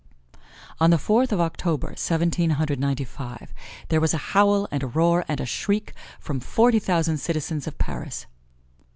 On the Fourth of October, Seventeen Hundred Ninety five, there was a howl and a roar and a shriek from forty thousand citizens of Paris.